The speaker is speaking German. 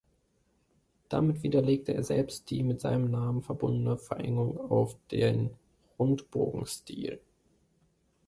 Damit widerlegte er selbst die mit seinem Namen verbundene Verengung auf den Rundbogenstil.